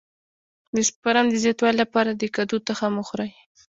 د سپرم د زیاتوالي لپاره د کدو تخم وخورئ